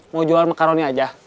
mau jual makaroni aja